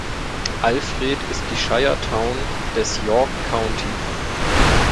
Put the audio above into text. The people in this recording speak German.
Alfred ist die Shire Town des York County.